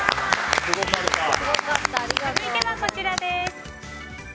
続いてはこちらです。